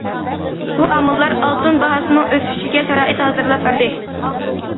بۇ ئامىللار ئالتۇن باھاسىنىڭ ئۆسۈشىگە شارائىت ھازىرلاپ بەردى.